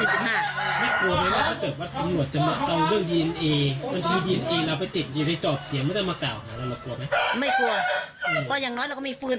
ก่อนที่มีปิดเจริญของสกเด็กของนั้น